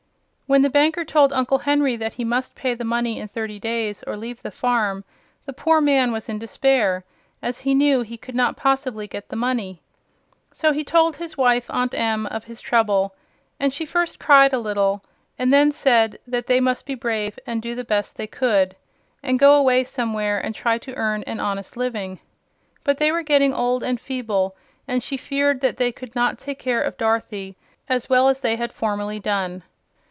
When the banker told Uncle Henry that he must pay the money in thirty days or leave the farm, the poor man was in despair, as he knew he could not possibly get the money. So he told his wife, Aunt Em, of his trouble, and she first cried a little and then said that they must be brave and do the best they could, and go away somewhere and try to earn an honest living. But they were getting old and feeble and she feared that they could not take care of Dorothy as well as they had formerly done.